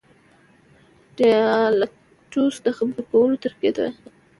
ډیالکټوس د خبري کوو طریقې ته وایي.